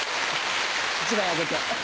１枚あげて。